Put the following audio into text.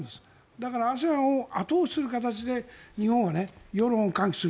だからＡＳＥＡＮを後押しする形で日本は世論を喚起する。